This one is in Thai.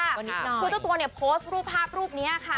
คุณเจ้าตัวโพสรูปภาพรูปค่ะ